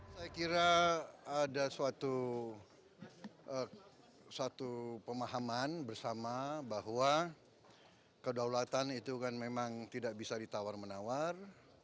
saya kira ada suatu pemahaman bersama bahwa kedaulatan itu kan memang tidak bisa ditawar menawar